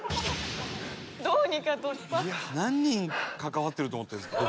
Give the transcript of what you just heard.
「どうにか突破」「何人関わってると思ってるんですか」